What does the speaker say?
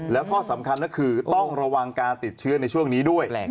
แล้วข้อสำคัญก็คือต้องระวังการติดเชื้อในช่วงนี้ด้วย